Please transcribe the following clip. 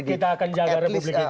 kita akan jaga republik ini